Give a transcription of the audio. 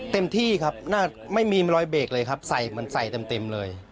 เต็มที่ครับหน้าไม่มีรอยเบรกเลยครับใส่เหมือนใส่เต็มเลย